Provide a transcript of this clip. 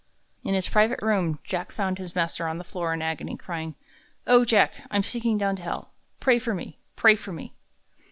In his private room, Jack found his master on the floor in agony, crying: "O Jack, I'm sinking down to hell! Pray for me! Pray for me!"